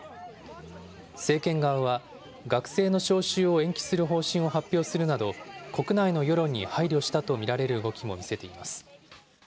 政権側は、学生の招集を延期する方針を発表するなど、国内の世論に配慮したと見られる動きも見せています。